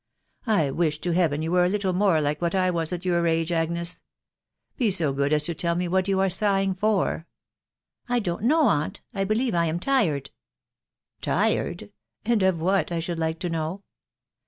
I wish to Heaven you were a little more like what I was at your age, Agnes ! Be so good as to tell me what you are sighing for ?"" I don't know, aunt ; I believe I am tired." " Tired ?.... and of what, I should like to know